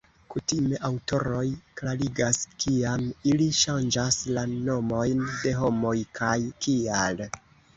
Kutime aŭtoroj klarigas kiam ili ŝanĝas la nomojn de homoj kaj kial.